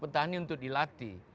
penyamaran untuk dilatih